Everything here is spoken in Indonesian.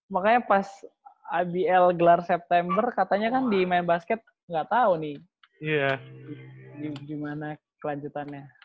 makanya pas ibl gelar september katanya kan di main basket nggak tahu nih gimana kelanjutannya